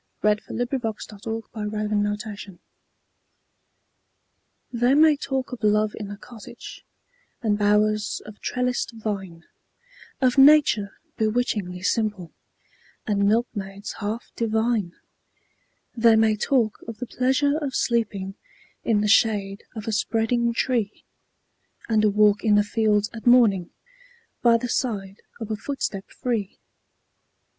Nathaniel Parker Willis Love in a Cottage THEY may talk of love in a cottage And bowers of trellised vine Of nature bewitchingly simple, And milkmaids half divine; They may talk of the pleasure of sleeping In the shade of a spreading tree, And a walk in the fields at morning, By the side of a footstep free!